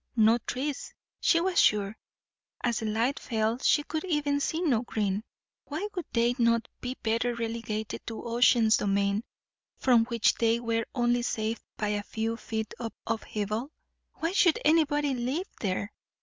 No trees, she was sure; as the light fell she could even see no green. Why would they not be better relegated to Ocean's domain, from which they were only saved by a few feet of upheaval? why should anybody live there?